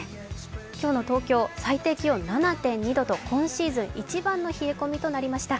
今日の東京、最低気温７．２度と今シーズン一番の冷え込みとなりました。